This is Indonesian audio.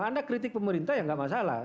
anda kritik pemerintah ya nggak masalah